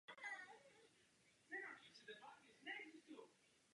Musíme se zabývat úbytkem tropických lesů v rozvojových zemích.